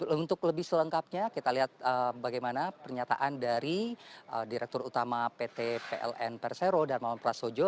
untuk lebih selengkapnya kita lihat bagaimana pernyataan dari direktur utama pt pln persero darmawan prasojo